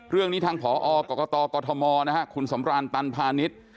เรื่องนี้ทางผอกรกตนะฮะคุณสำรานตันพาณิชย์